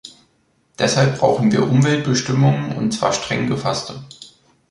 Deshalb brauchen wir Umweltbestimmungen, und zwar streng gefasste.